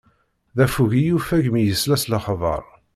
D affug i yuffeg mi yesla s lexbaṛ.